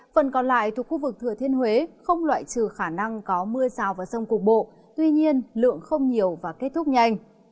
phần còn lại thuộc khu vực thừa thiên huế không loại trừ khả năng có mưa rào và rông cục bộ tuy nhiên lượng không nhiều và kết thúc nhanh